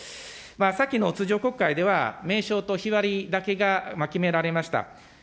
先の通常国会では、名称と日割りだけが決められました。